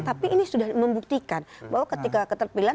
tapi ini sudah membuktikan bahwa ketika keterpilihan